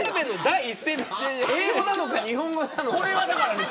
英語なのか日本語なのか。